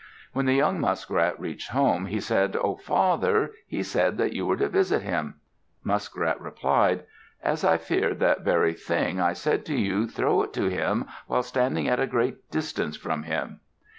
When the young Muskrat reached home, he said, "Oh, father, he said that you were to visit him." Muskrat replied, "As I feared that very thing, I said to you, 'Throw it to him while standing at a great distance from him.'"